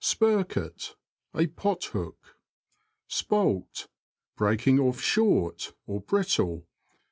Spirket. — A pothook. Spoult. — Breaking off short ; brittle.